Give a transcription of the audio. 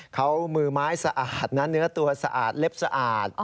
เขามือไม้สะอาดนะเนื้อตัวสะอาดเล็บสะอาด